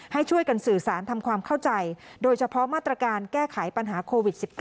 ให้ช่วยกันสื่อสารทำความเข้าใจโดยเฉพาะมาตรการแก้ไขปัญหาโควิด๑๙